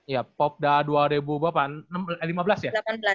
ya popda dua ribu lima belas ya